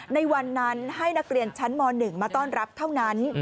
ในวันนั้นให้นักเรียนชั้นม๑มาต้อนรับเท่านั้น